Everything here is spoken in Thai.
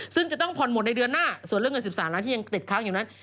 ซึ่งจะต้องผ่อนหมดในเดือนหน้าส่วนเรื่องเงิน๑๓ล้านที่ยังติดค้างอยู่นั้น